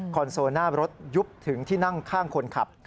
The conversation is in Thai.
โซลหน้ารถยุบถึงที่นั่งข้างคนขับ